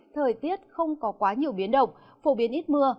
thời tiết không có quá nhiều biến động phổ biến ít mưa